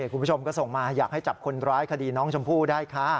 คุณผู้ชมก็ส่งมาอยากให้จับคนร้ายคดีน้องชมพู่ได้ค่ะ